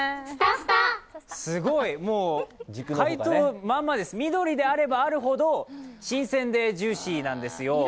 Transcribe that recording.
すごい、解答、まんまです、緑であればあるほど新鮮でジューシーなんですよ。